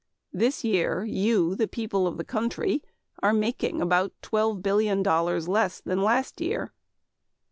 This year you, the people of this country, are making about twelve billion dollars less than last year.